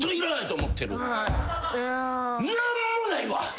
何もないわ！